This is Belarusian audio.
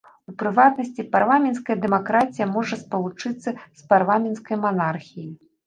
У прыватнасці, парламенцкая дэмакратыя можа спалучацца з парламентарнай манархіяй.